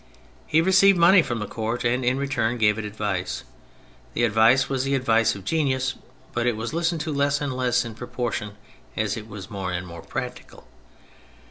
He received money from the Court and in return gave it advice. The advice was the advice of genius, but it was listened to less and less in proportion as it was more and more practical.